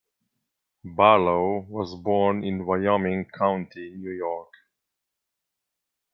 Barlow was born in Wyoming County, New York.